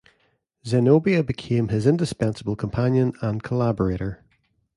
Zenobia became his indispensable companion and collaborator.